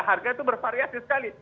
harganya itu bervariasi sekali